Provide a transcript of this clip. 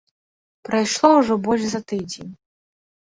Прайшло ўжо больш за тыдзень.